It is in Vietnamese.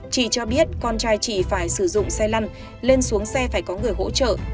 chị cho biết con trai chỉ phải sử dụng xe lăn lên xuống xe phải có người hỗ trợ